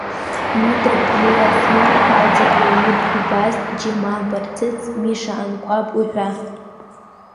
Митра Ԥлиа, Смыр Вадик, Леонид Гәбаз, Џьемал Барцыц, Миша Анқәаб уҳәа.